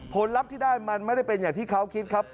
ลัพธ์ที่ได้มันไม่ได้เป็นอย่างที่เขาคิดครับ